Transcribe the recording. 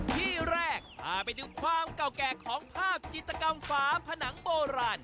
ที่แรกพาไปดูความเก่าแก่ของภาพจิตกรรมฝาผนังโบราณ